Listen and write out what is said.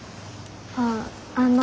あっあの。